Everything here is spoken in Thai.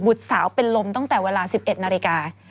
สาวเป็นลมตั้งแต่เวลา๑๑นาฬิกา